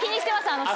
あの人。